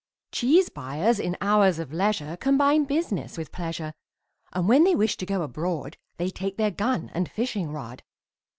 Cheese buyers in hours of leisure Combine business with pleasure, And when they wish to go abroad They take their gun and fishing rod.